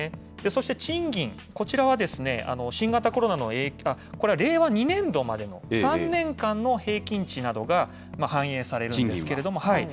そして賃金、こちらは新型コロナの、これは令和２年度までの３年間の平均値などが反映されるんですけれども。